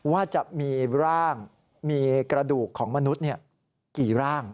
ว่าจะมีร่างมีกระดูกของมนุษย์กี่ร่าง